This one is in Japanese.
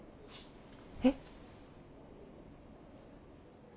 えっ？